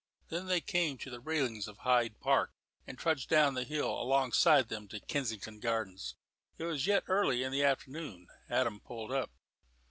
Then they came to the railings of Hyde Park, and trudged down the hill alongside them to Kensington Gardens. It was yet early in the afternoon. Adam pulled up.